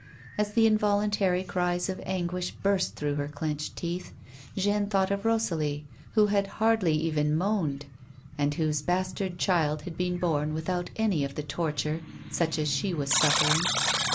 As the involuntary cries of iinguish burst through her clenched teeth, Jeanne thoiight of Rosalie who had hardly even moaned, and whose bastard child had been born without any of the torture such as she was suffering.